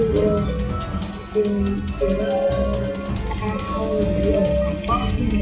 xin hãy hỏi gì ạ